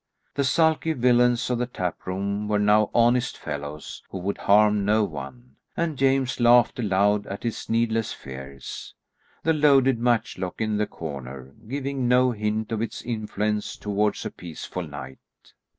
The sulky villains of the tap room were now honest fellows who would harm no one, and James laughed aloud at his needless fears; the loaded matchlock in the corner giving no hint of its influence towards a peaceful night.